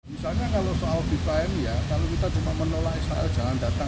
misalnya kalau soal bipaem ya kalau kita cuma menolak shl jangan datang